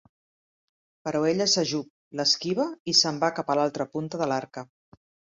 Però ella s'ajup, l'esquiva i se'n va cap a l'altra punta de l'Arca.